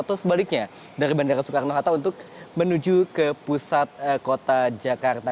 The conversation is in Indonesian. atau sebaliknya dari bandara soekarno hatta untuk menuju ke pusat kota jakarta